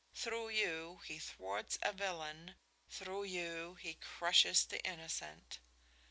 Through you, He thwarts a villain; through you, He crushes the innocent.